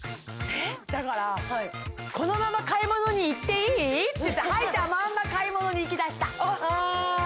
だからこのまま買い物に行っていい？って履いたまんま買い物にいきだしたああ